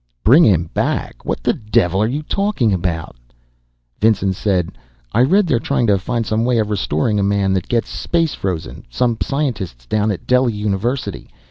"Bring him back? What the devil are you talking about?" Vinson said, "I read they're trying to find some way of restoring a man that gets space frozen. Some scientists down at Delhi University.